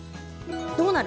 どうなる？